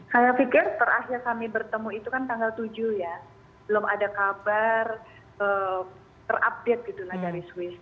saya pikir terakhir kami bertemu itu kan tanggal tujuh ya belum ada kabar terupdate gitu lah dari swiss